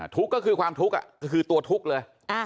ทุกข์ก็คือความทุกข์ก็คือตัวทุกข์เลย